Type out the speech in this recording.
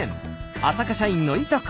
浅香社員のいとこ